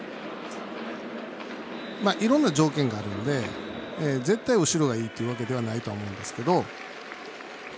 いろんな条件があるんで絶対後ろがいいということではないと思うんですけど。